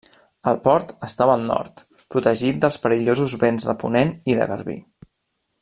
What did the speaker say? El port estava al nord, protegit dels perillosos vents de ponent i de garbí.